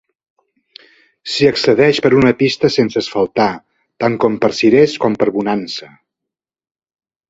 S'hi accedeix per una pista sense asfaltar, tant com per Sirès com per Bonansa.